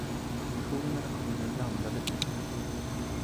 Kommissionen har kommit med blandade budskap.